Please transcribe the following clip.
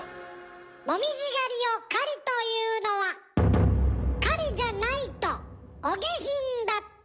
もみじ狩りを「狩り」と言うのは「狩り」じゃないとお下品だったから。